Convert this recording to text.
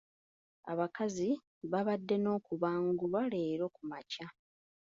Abakazi baabadde n'okubangulwa leero ku makya.